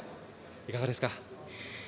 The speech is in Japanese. いかがですか？